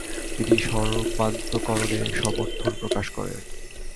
তিনি সর্বান্তকরণে সমর্থন প্রকাশ করেন।